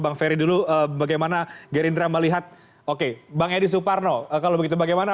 bang ferry dulu bagaimana gerindra melihat oke bang edi suparno kalau begitu bagaimana